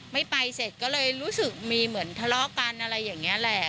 ไม่ไปเสร็จก็เลยรู้สึกมีเหมือนทะเลาะกันอะไรอย่างนี้แหละ